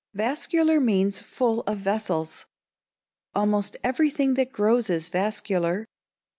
Vascular means full of vessels. Almost everything that grows is vascular.